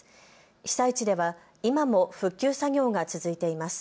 被災地では今も復旧作業が続いています。